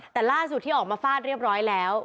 แต่ล่าสุดที่ออกมาฟาดเรียบร้อยแล้ว